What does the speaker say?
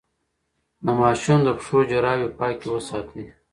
د ماشوم د پښو جرابې پاکې وساتئ.